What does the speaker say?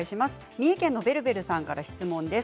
三重県の方からです。